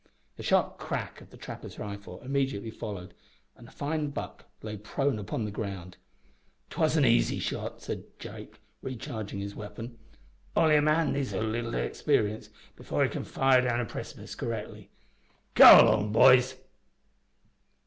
The sharp crack of the trapper's rifle immediately followed, and a fine buck lay prone upon the ground. "'Twas an easy shot," said Drake, recharging his weapon, "only a man needs a leetle experience before he can fire down a precipice correctly. Come along, boys."